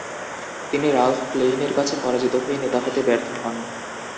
তিনি রালফ ক্লেইনের কাছে পরাজিত হয়ে নেতা হতে ব্যর্থ হন।